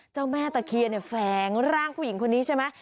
เจ้าแม่ตะเคียนแฝงร่างผู้หญิงคนนี้ใช่ไหม